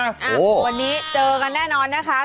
วันนี้เจอกันแน่นอนนะคะ